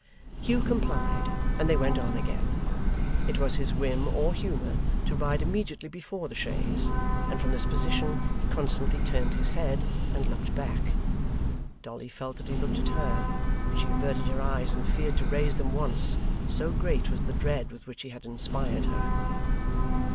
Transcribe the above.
Hugh complied, and they went on again. It was his whim or humour to ride immediately before the chaise, and from this position he constantly turned his head, and looked back. Dolly felt that he looked at her, but she averted her eyes and feared to raise them once, so great was the dread with which he had inspired her.